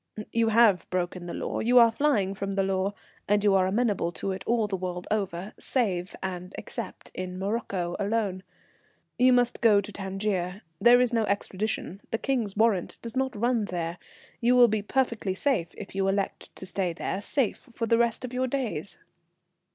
"You have broken the law, you are flying from the law, and you are amenable to it all the world over, save and except in Morocco alone. You must go to Tangier, there is no extradition, the King's warrant does not run there. You will be perfectly safe if you elect to stay there, safe for the rest of your days."